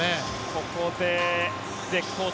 ここで絶好調